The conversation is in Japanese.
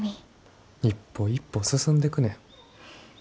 一歩一歩進んでくねん。